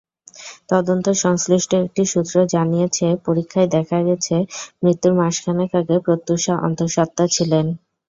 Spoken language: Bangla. তদন্ত-সংশ্লিষ্ট একটি সূত্র জানিয়েছে, পরীক্ষায় দেখা গেছে, মৃত্যুর মাসখানেক আগে প্রত্যুষা অন্তঃসত্ত্বা ছিলেন।